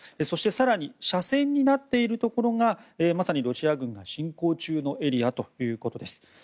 そして、更に斜線になっているところがまさにロシア軍が侵攻中のエリアということです。